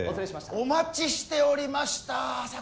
お待ちしておりましたさあ